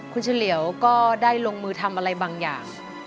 คุณเฉลียวก็ได้ลงมือทำอะไรบางอย่าง